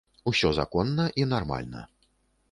Усё законна і нармальна.